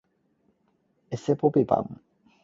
比平時番工放工唔知多幾多人